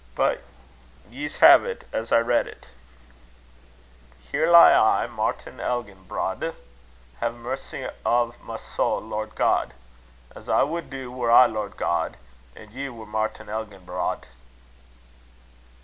But ye'se hae't as I read it: "'Here lie I, Martin Elginbrodde: Hae mercy o' my soul, Lord God; As I wad do, were I Lord God, And ye were Martin Elginbrodde.'"